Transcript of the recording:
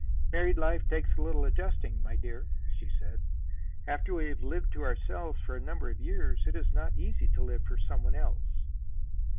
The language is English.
"Married life takes a little adjusting, my dear," she said. "After we have lived to ourselves for a number of years, it is not easy to live for some one else."